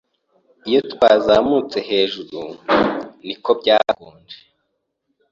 Iyo twazamutse hejuru, niko byakonje